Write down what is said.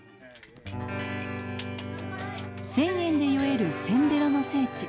１０００円で酔えるせんべろの聖地